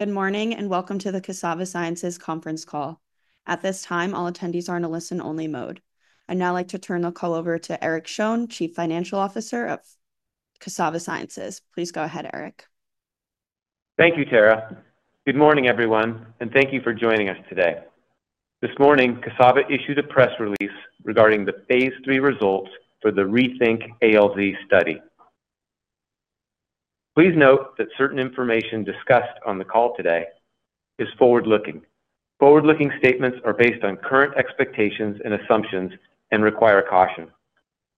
Good morning and welcome to the Cassava Sciences conference call. At this time, all attendees are in a listen-only mode. I'd now like to turn the call over to Eric Schoen, Chief Financial Officer of Cassava Sciences. Please go ahead, Eric. Thank you, Tara. Good morning, everyone, and thank you for joining us today. This morning, Cassava issued a press release regarding the phase III results for the RETHINK ALZ study. Please note that certain information discussed on the call today is forward-looking. Forward-looking statements are based on current expectations and assumptions and require caution.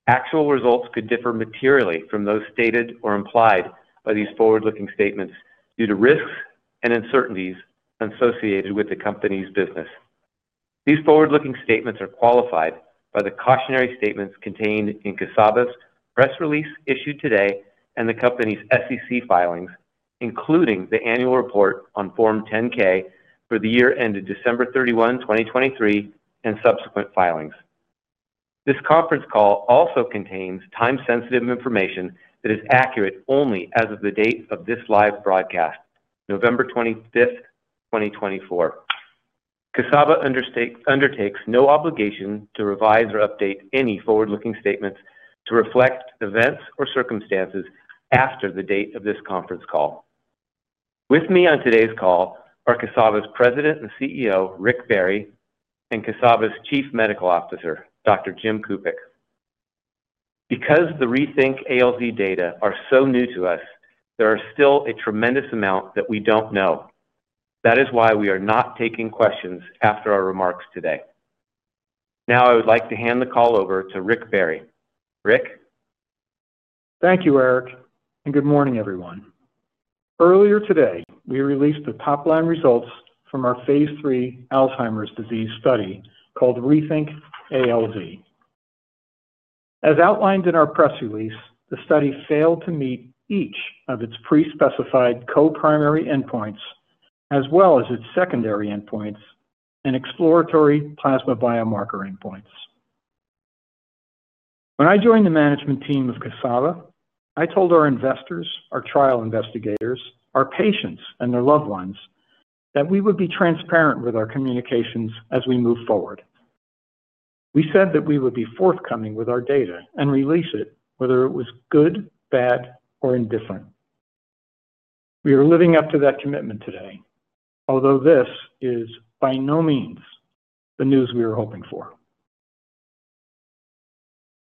Actual results could differ materially from those stated or implied by these forward-looking statements due to risks and uncertainties associated with the company's business. These forward-looking statements are qualified by the cautionary statements contained in Cassava's press release issued today and the company's SEC filings, including the annual report on Form 10-K for the year ended December 31, 2023, and subsequent filings. This conference call also contains time-sensitive information that is accurate only as of the date of this live broadcast, November 25, 2024. Cassava undertakes no obligation to revise or update any forward-looking statements to reflect events or circumstances after the date of this conference call. With me on today's call are Cassava's President and CEO, Rick Barry, and Cassava's Chief Medical Officer, Dr. Jim Kupiec. Because the Rethink ALZ data are so new to us, there are still a tremendous amount that we don't know. That is why we are not taking questions after our remarks today. Now, I would like to hand the call over to Rick Barry. Rick. Thank you, Eric, and good morning, everyone. Earlier today, we released the top-line results from our Phase III Alzheimer's disease study called RETHINK ALZ. As outlined in our press release, the study failed to meet each of its pre-specified co-primary endpoints as well as its secondary endpoints and exploratory plasma biomarker endpoints. When I joined the management team of Cassava, I told our investors, our trial investigators, our patients, and their loved ones that we would be transparent with our communications as we move forward. We said that we would be forthcoming with our data and release it, whether it was good, bad, or indifferent. We are living up to that commitment today, although this is by no means the news we were hoping for.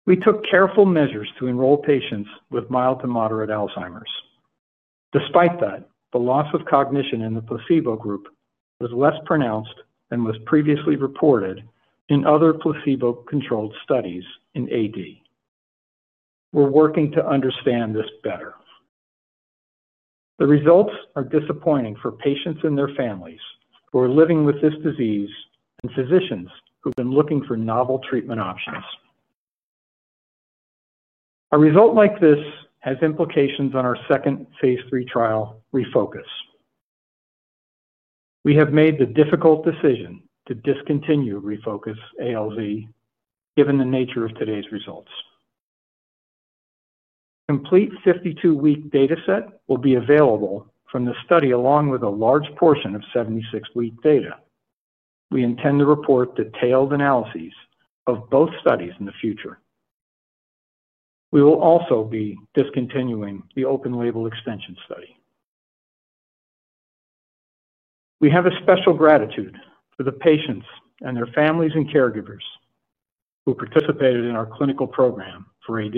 We took careful measures to enroll patients with mild to moderate Alzheimer's. Despite that, the loss of cognition in the placebo group was less pronounced than was previously reported in other placebo-controlled studies in AD. We're working to understand this better. The results are disappointing for patients and their families who are living with this disease and physicians who've been looking for novel treatment options. A result like this has implications on our second phase III trial, REFOCUS ALZ. We have made the difficult decision to discontinue REFOCUS ALZ given the nature of today's results. Complete 52-week dataset will be available from the study along with a large portion of 76-week data. We intend to report detailed analyses of both studies in the future. We will also be discontinuing the open-label extension study. We have a special gratitude for the patients and their families and caregivers who participated in our clinical program for AD.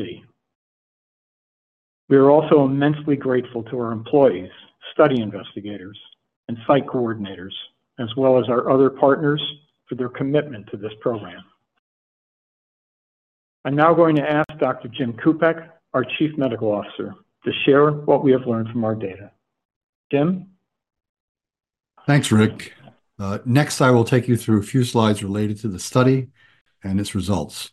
We are also immensely grateful to our employees, study investigators, and site coordinators, as well as our other partners for their commitment to this program. I'm now going to ask Dr. Jim Kupiec, our Chief Medical Officer, to share what we have learned from our data. Jim? Thanks, Rick. Next, I will take you through a few slides related to the study and its results.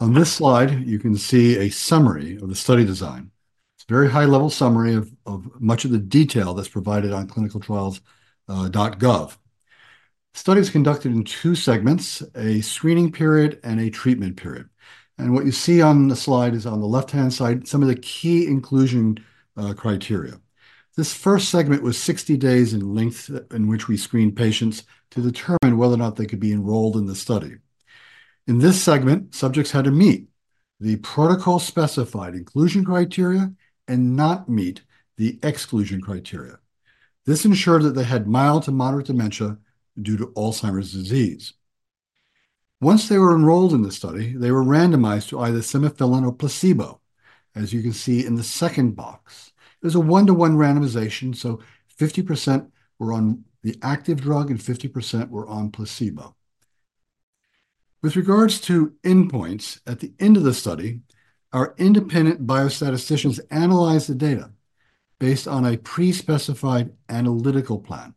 On this slide, you can see a summary of the study design. It's a very high-level summary of much of the detail that's provided on ClinicalTrials.gov. The study is conducted in two segments, a screening period and a treatment period, and what you see on the slide is, on the left-hand side, some of the key inclusion criteria. This first segment was 60 days in length in which we screened patients to determine whether or not they could be enrolled in the study. In this segment, subjects had to meet the protocol-specified inclusion criteria and not meet the exclusion criteria. This ensured that they had mild to moderate dementia due to Alzheimer's disease. Once they were enrolled in the study, they were randomized to either simufilam or placebo, as you can see in the second box. There's a one-to-one randomization, so 50% were on the active drug and 50% were on placebo. With regards to endpoints, at the end of the study, our independent biostatisticians analyzed the data based on a pre-specified analytical plan.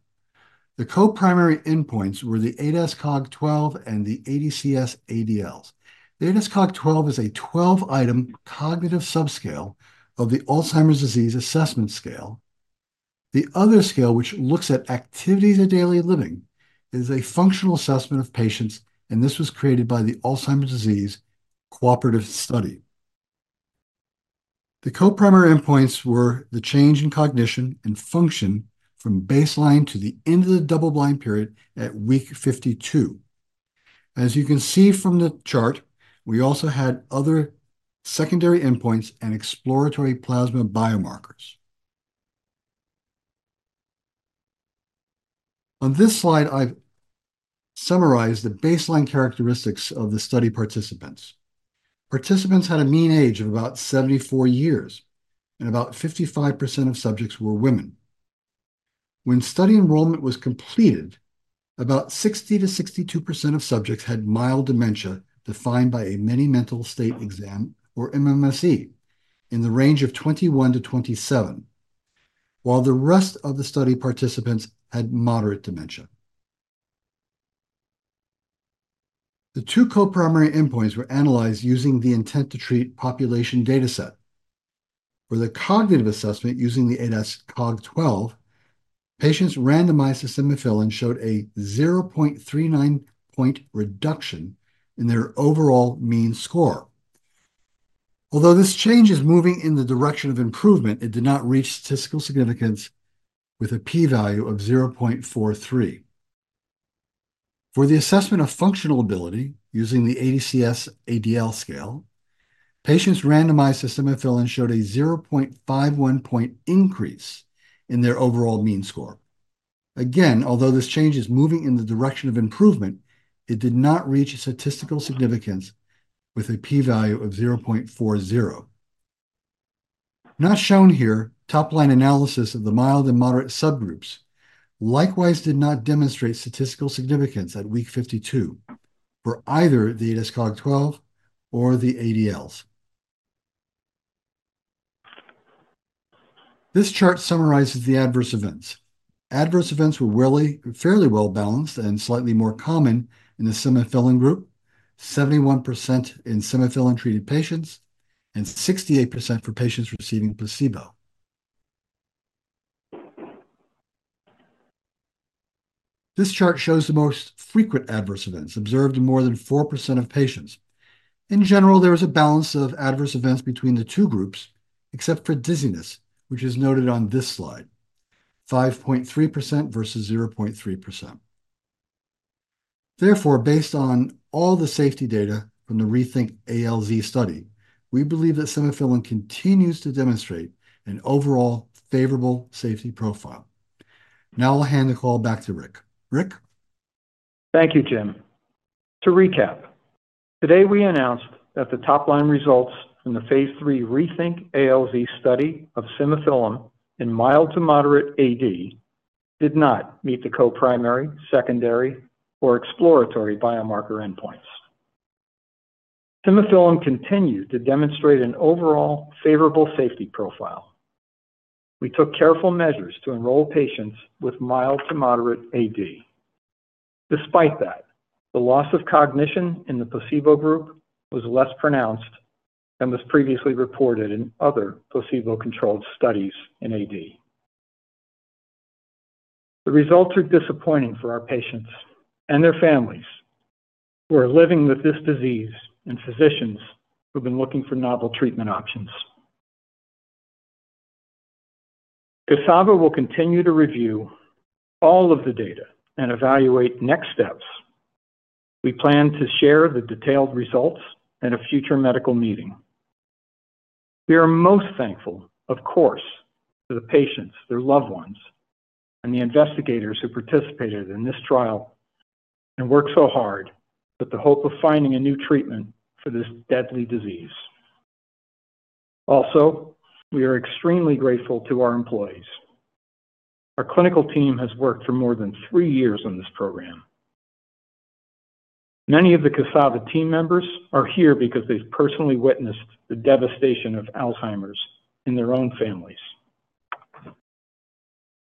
The co-primary endpoints were the ADAS-Cog12 and the ADCS-ADL. The ADAS-Cog12 is a 12-item cognitive subscale of the Alzheimer's Disease Assessment Scale. The other scale, which looks at activities of daily living, is a functional assessment of patients, and this was created by the Alzheimer's Disease Cooperative Study. The co-primary endpoints were the change in cognition and function from baseline to the end of the double-blind period at week 52. As you can see from the chart, we also had other secondary endpoints and exploratory plasma biomarkers. On this slide, I've summarized the baseline characteristics of the study participants. Participants had a mean age of about 74 years, and about 55% of subjects were women. When study enrollment was completed, about 60%-62% of subjects had mild dementia defined by a Mini-Mental State Exam, or MMSE, in the range of 21-27, while the rest of the study participants had moderate dementia. The two co-primary endpoints were analyzed using the Intent to Treat population dataset. For the cognitive assessment using the ADAS-Cog12, patients randomized to simufilam showed a 0.39-point reduction in their overall mean score. Although this change is moving in the direction of improvement, it did not reach statistical significance with a P-value of 0.43. For the assessment of functional ability using the ADCS-ADL scale, patients randomized to simufilam showed a 0.51-point increase in their overall mean score. Again, although this change is moving in the direction of improvement, it did not reach statistical significance with a P-value of 0.40. Not shown here, top-line analysis of the mild and moderate subgroups likewise did not demonstrate statistical significance at week 52 for either the ADAS-Cog12 or the ADLs. This chart summarizes the adverse events. Adverse events were fairly well-balanced and slightly more common in the simufilam group, 71% in simufilam-treated patients, and 68% for patients receiving placebo. This chart shows the most frequent adverse events observed in more than 4% of patients. In general, there is a balance of adverse events between the two groups, except for dizziness, which is noted on this slide, 5.3% versus 0.3%. Therefore, based on all the safety data from the RETHINK ALZ study, we believe that simufilam continues to demonstrate an overall favorable safety profile. Now, I'll hand the call back to Rick. Rick? Thank you, Jim. To recap, today we announced that the top-line results from the phase III RETHINK ALZ study of simufilam in mild to moderate AD did not meet the co-primary, secondary, or exploratory biomarker endpoints. Simufilam continued to demonstrate an overall favorable safety profile. We took careful measures to enroll patients with mild to moderate AD. Despite that, the loss of cognition in the placebo group was less pronounced than was previously reported in other placebo-controlled studies in AD. The results are disappointing for our patients and their families who are living with this disease and physicians who have been looking for novel treatment options. Cassava will continue to review all of the data and evaluate next steps. We plan to share the detailed results at a future medical meeting. We are most thankful, of course, to the patients, their loved ones, and the investigators who participated in this trial and worked so hard with the hope of finding a new treatment for this deadly disease. Also, we are extremely grateful to our employees. Our clinical team has worked for more than three years on this program. Many of the Cassava team members are here because they've personally witnessed the devastation of Alzheimer's in their own families.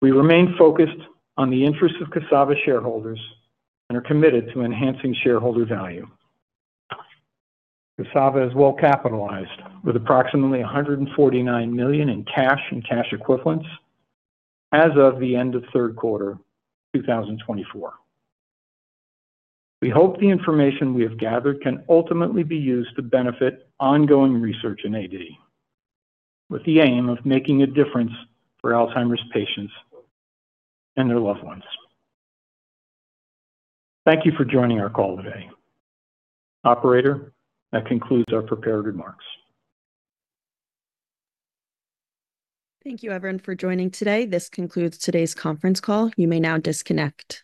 We remain focused on the interests of Cassava shareholders and are committed to enhancing shareholder value. Cassava is well-capitalized with approximately $149 million in cash and cash equivalents as of the end of third quarter 2024. We hope the information we have gathered can ultimately be used to benefit ongoing research in AD with the aim of making a difference for Alzheimer's patients and their loved ones. Thank you for joining our call today. Operator, that concludes our prepared remarks. Thank you, everyone, for joining today. This concludes today's conference call. You may now disconnect.